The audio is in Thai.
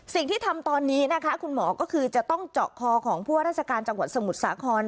สิ่งที่ทำตอนนี้นะคะคุณหมอก็คือจะต้องเจาะคอของผู้ว่าราชการจังหวัดสมุทรสาคร